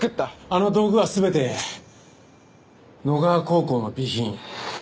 あの道具は全て野川高校の備品。